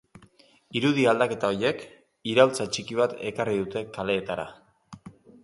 Irudi aldaketa horiek iraultza txiki bat ekarri dute kaleetara.